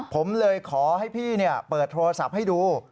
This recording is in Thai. ผมเลยขอให้พี่เปิดโทรศัพท์ให้ดู